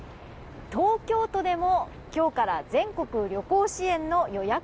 東京都でも今日から全国旅行支援の予約